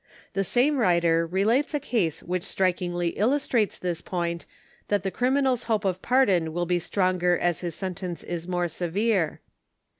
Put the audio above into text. The same writer relates a case which strikingly illustrates this point, that the crlminars hope of pardon will be stronger as his sentence is more severe.